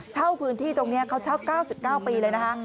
เช่าพื้นที่ตรงนี้เขาเช่า๙๙ปีเลยนะคะ